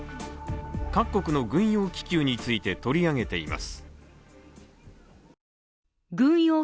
各国の軍用気球について取り上げています。